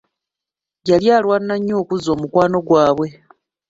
Yali alwana nnyo okuzza omukwano gwabwe.